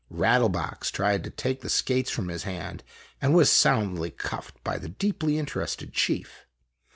Rattle box tried to take the skates from his hand, and was soundly cuffed by the deeply interested chief.